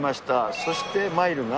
そして、マイルが。